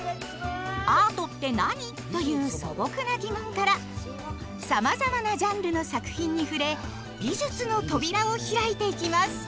「アートって何？」という素朴な疑問からさまざまなジャンルの作品に触れ美術の扉を開いていきます。